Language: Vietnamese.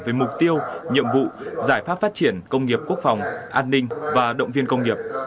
với mục tiêu nhiệm vụ giải pháp phát triển công nghiệp quốc phòng an ninh và động viên công nghiệp